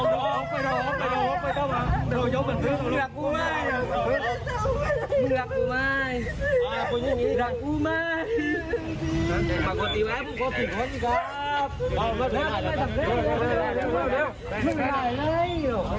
แล้วก็ต้องคุมคนให้นำไปอย่าแล้วดูอะไรนะวดูเลย